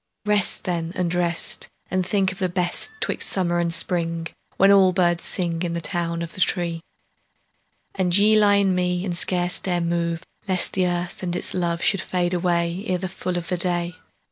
Rest then and rest, And think of the best 'Twixt summer and spring, When all birds sing In the town of the tree, And ye lie in me And scarce dare move, Lest the earth and its love Should fade away Ere the full of the day.